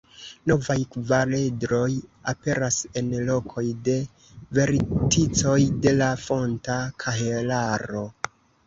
Novaj kvaredroj aperas en lokoj de verticoj de la fonta kahelaro.